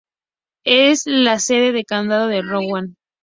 Es la sede del Condado de Rowan.